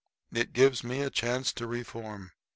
It gives me a chance to reform.